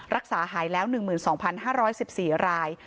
รักษาหายแล้ว๑๒๕๑๔ราย